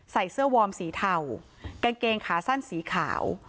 ใส่เสื้อวอร์มสีเทากางเกงขาสั้นสีขาว